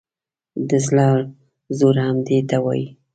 د زړه زور همدې ته وایي.